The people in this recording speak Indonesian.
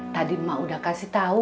tadi emak udah kasih tahu